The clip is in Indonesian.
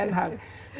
nah betul ya